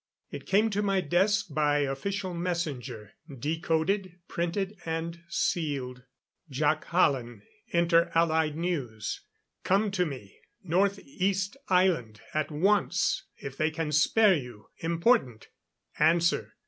It came to my desk by official messenger, decoded, printed and sealed. Jac Hallen, Inter Allied News. Come to me, North east Island at once, if they can spare you. Important. Answer.